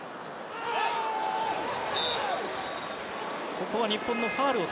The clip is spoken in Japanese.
ここは日本のファウル。